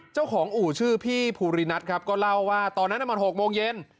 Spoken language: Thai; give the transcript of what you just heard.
เจ้าของอู๋ชื่อพี่ภูรินัทครับก็เล่าว่าตอนนั้นน่ะมันหกโมงเย็น